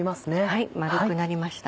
はい丸くなりました。